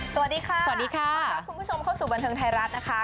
สวัสดีค่ะสวัสดีค่ะต้อนรับคุณผู้ชมเข้าสู่บันเทิงไทยรัฐนะคะ